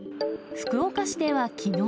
福岡市ではきのう。